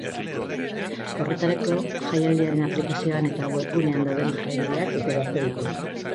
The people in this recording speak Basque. Horretarako, jaialdiaren aplikazioan eta webgunean dauden jarraibideak bete beharko ditu.